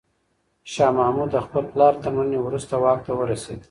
شاه محمود د خپل پلار تر مړینې وروسته واک ته ورسېد.